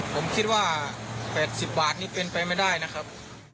ผมคิดว่า๘๐บาทนี่เป็นไปไม่ได้นะครับ